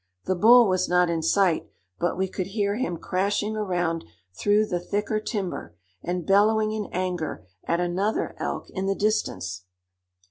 The bull was not in sight, but we could hear him crashing around through the thicker timber, and bellowing in anger at another elk in the distance.